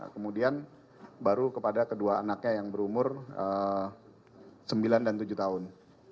kemudian baru kepada kedua anaknya yang berumur sembilan dan tujuh tahun